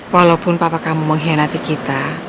walaupun papa kamu mengkhianati kita